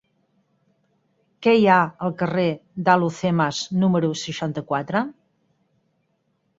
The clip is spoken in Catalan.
Què hi ha al carrer d'Alhucemas número seixanta-quatre?